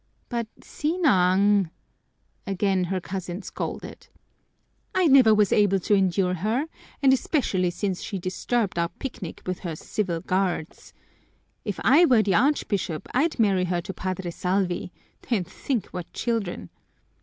"But, Sinang!" again her cousin scolded. "I never was able to endure her and especially since she disturbed our picnic with her civil guards. If I were the Archbishop I'd marry Her to Padre Salvi then think what children!